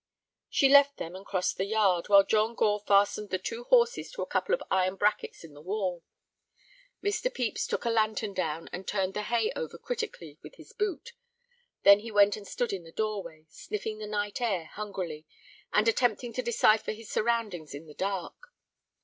She left them and crossed the yard, while John Gore fastened the two horses to a couple of iron brackets in the wall. Mr. Pepys took the lantern down and turned the hay over critically with his boot. Then he went and stood in the doorway, sniffing the night air hungrily, and attempting to decipher his surroundings in the dark.